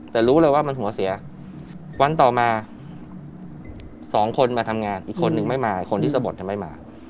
แต่รู้เลยว่ามันหัวเสียวันต่อมาสองคนมาทำงานอีกคนนึงไม่มาคนที่สะบดจะไม่มา